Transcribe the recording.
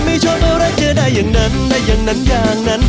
ไม่ชอบอะไรเจอได้อย่างนั้นได้อย่างนั้นอย่างนั้น